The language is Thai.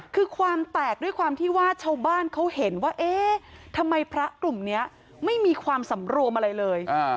คือความแตกด้วยความที่ว่าชาวบ้านเขาเห็นว่าเอ๊ะทำไมพระกลุ่มนี้ไม่มีความสำรวมอะไรเลย